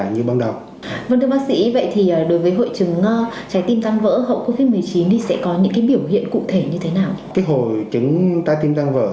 nhưng bác sĩ vừa chia sẻ thì đối với hội chứng trái tim tan vỡ